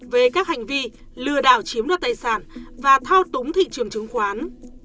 về các hành vi lừa đảo chiếm đoạt tài sản và thao túng thị trường chứng khoán